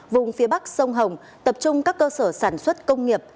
vùng phía bắc sông hồng tập trung các cơ sở sản xuất công nghiệp